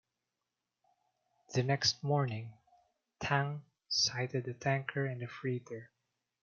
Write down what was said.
The next morning, "Tang" sighted a tanker and a freighter.